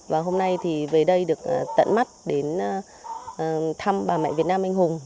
và hôm nay thì về đây được tận mắt đến thăm bà mẹ việt nam anh hùng